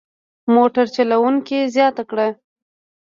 موټر چلوونکي زیاته کړه.